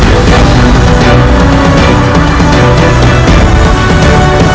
akan menyusup ke kerajaan